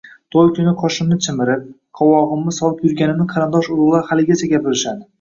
To`y kuni qoshimni chimirib, qovog`imni solib yurganimni qarindosh-urug`lar haligacha gapirishadi